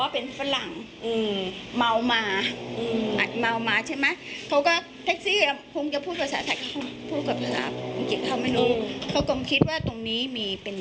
เสร็จแล้วก็พากันเข้าสอยนั้น